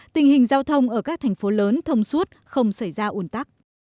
tình hình giao thông ở các thành phố lớn thông suốt không xảy ra ủn tắc